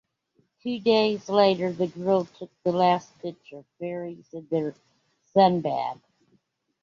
Two days later the girls took the last picture, "Fairies and Their Sun-Bath".